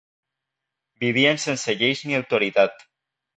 Vivien sense lleis ni autoritat.